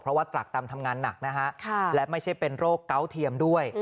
เพราะว่าตรากดำทำงานหนักนะฮะและไม่ใช่เป็นโรคเก้าเทียมด้วย